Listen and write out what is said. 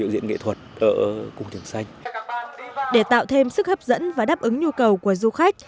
để tạo thêm sức hấp dẫn và đáp ứng nhu cầu của du khách